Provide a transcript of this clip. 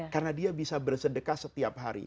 karena dia bisa bersedekah setiap hari